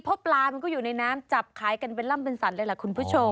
เพราะปลามันก็อยู่ในน้ำจับขายกันเป็นล่ำเป็นสรรเลยล่ะคุณผู้ชม